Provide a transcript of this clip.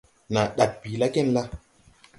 Nàa ndaɗ bìi la genla?